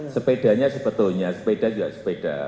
sepedanya sebetulnya sepeda juga sepeda